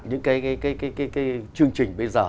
những cái chương trình bây giờ